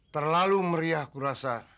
terlalu meriah kurasa